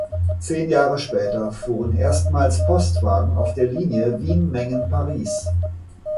Zehn Jahre später fuhren erstmals Postwagen auf der Linie Wien–Mengen–Paris.